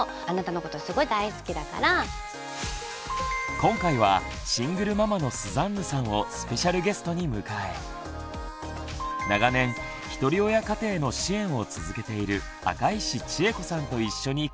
今回はシングルママのスザンヌさんをスペシャルゲストに迎え長年ひとり親家庭の支援を続けている赤石千衣子さんと一緒に考えます。